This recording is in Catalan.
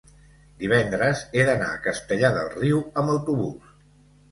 divendres he d'anar a Castellar del Riu amb autobús.